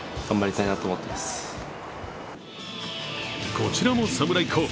こちらも侍候補。